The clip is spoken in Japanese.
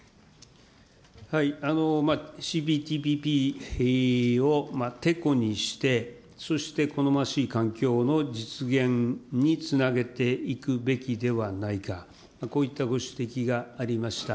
ＣＰＴＰＰをてこにして、そして好ましい環境の実現につなげていくべきではないか、こういったご指摘がありました。